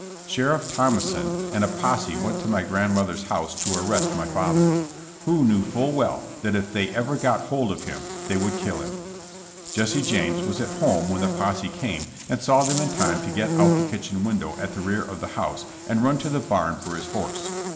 Sheriff Thomason and a posse went to my grandmother's house to arrest my father, who knew full well that if they ever got hold of him they would kill him. Jesse James was at home when the posse came, and saw them in time to get out the kitchen window at the rear of the house and run to the barn for his horse.